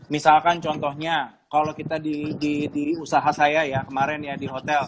misalkan contohnya kalau kita di usaha saya ya kemarin ya di hotel